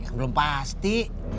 yang belum pasti